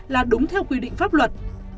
là đúng theo quy định pháp luật